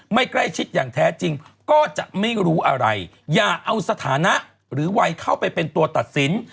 ไม่ใกล้ชิดอย่างแท้จริงก็จะไม่รู้อะไรอย่าเอาสถานะหรือวัยเข้าไปเป็นตัวตัดสิน